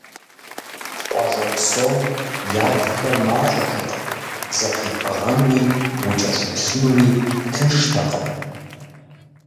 Къуажэ псом явхэр мащӏэтэкъым, зэтепӏыгъэнуи, укӏэлъыплъынуи тынштэкъым.